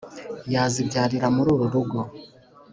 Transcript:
yazibyarira mri uru rugo